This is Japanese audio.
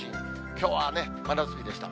きょうは真夏日でした。